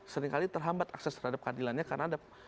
seringkali terhambat akses terhadap kandilannya karena